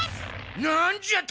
なんじゃと！？